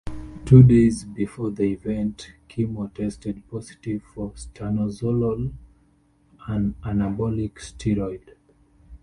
Two days before the event, Kimo tested positive for Stanozolol, an anabolic steroid.